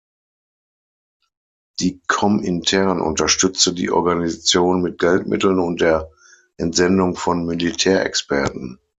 Die Komintern unterstützte die Organisation mit Geldmitteln und der Entsendung von Militärexperten.